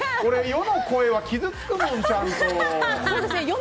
俺、世の声は傷つくもんちゃんと。